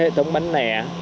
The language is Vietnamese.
hệ thống bán nẻ